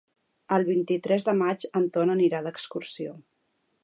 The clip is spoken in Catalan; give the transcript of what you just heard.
El vint-i-tres de maig en Ton anirà d'excursió.